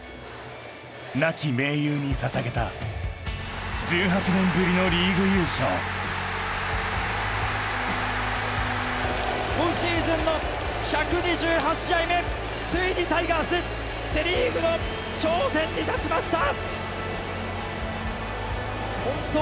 亡き盟友にささげた１８年ぶりのリーグ優勝今シーズンの１２８試合目ついにタイガースセ・リーグの頂点に立ちました！